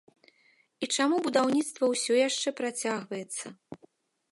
І чаму будаўніцтва ўсе яшчэ працягваецца?